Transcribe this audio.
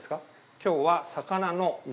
今日は。